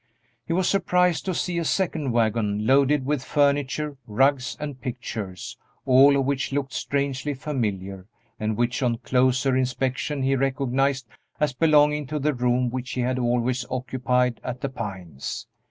He was surprised to see a second wagon, loaded with furniture, rugs, and pictures, all of which looked strangely familiar, and which on closer inspection he recognized as belonging to the room which he had always occupied at The Pines.